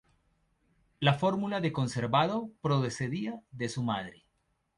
La fórmula de conservado procedía de su madre.